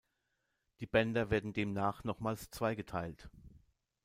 Die Bänder werden demnach nochmals zweigeteilt.